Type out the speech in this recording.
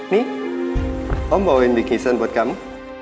nih om bawa bikin sen buat kamu